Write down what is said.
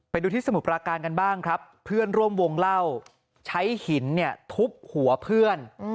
ไปดูที่สมุทรปราการกันบ้างครับเพื่อนร่วมวงเล่าใช้หินเนี่ยทุบหัวเพื่อน